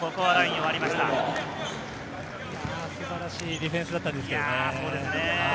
素晴らしいディフェンスだったんですけどね。